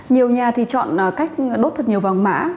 nhiều nhà thì chọn cách đốt thật nhiều vàng mã